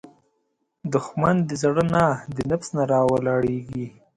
دښمن د زړه نه، د نفس نه راولاړیږي